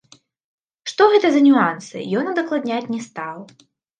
Што гэта за нюансы, ён удакладняць не стаў.